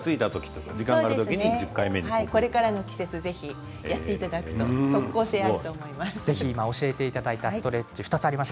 これからの季節やっていただくと即効性があると思います。